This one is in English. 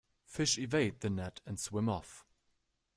Fish evade the net and swim off.